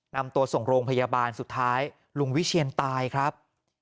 นำตัวส่งโรงพยาบาลสุดท้ายลุงวิเชียนตายครับ